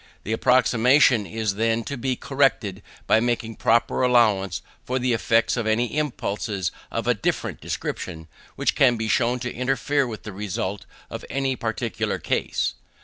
This approximation is then to be corrected by making proper allowance for the effects of any impulses of a different description, which can be shown to interfere with the result in any particular case.